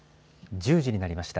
１０時になりました。